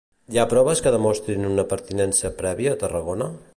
Hi ha proves que demostrin una pertinença prèvia a Tarragona?